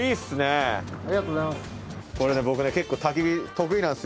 これね僕ね結構。